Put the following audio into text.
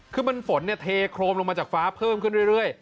คือมันฝนเนี่ยเทโครมลงมาจากฟ้าเพิ่มขึ้นเรื่อย